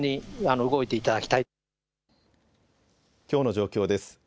きょうの状況です。